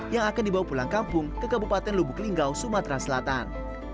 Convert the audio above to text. yang akan dibawa pulang kampung ke kabupaten lubuk linggau sumatera selatan